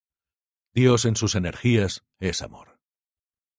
Dios en sus energías es amor.